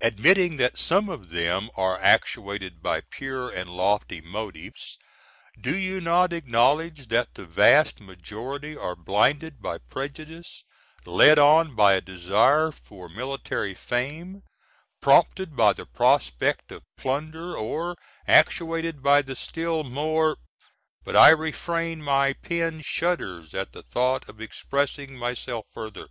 Admitting that some of them are actuated by pure and lofty motives, do you not acknowledge that the vast majority are blinded by prejudice, led on by a desire for military fame, prompted by the prospect of plunder, or actuated by the still more ? but I refrain my very pen shudders at the thought of expressing myself further.